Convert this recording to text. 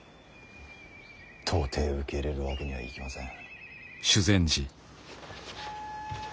到底受け入れるわけにはいきません。